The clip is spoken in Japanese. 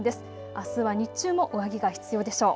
あすは日中も上着が必要でしょう。